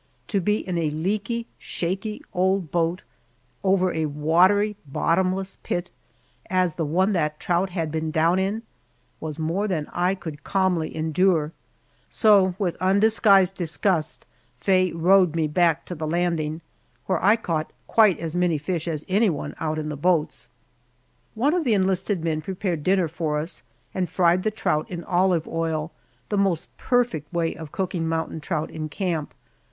To be in a leaky, shaky old boat over a watery, bottomless pit, as the one that trout had been down in, was more than I could calmly endure, so with undisguised disgust Faye rowed me back to the landing, where I caught quite as many fish as anyone out in the boats. One of the enlisted men prepared dinner for us, and fried the trout in olive oil, the most perfect way of cooking mountain trout in camp.